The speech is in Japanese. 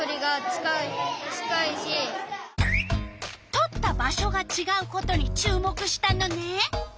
とった場所がちがうことに注目したのね。